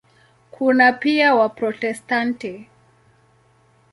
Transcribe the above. Kuna pia Waprotestanti.